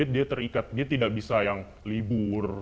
dia terikat dia tidak bisa yang libur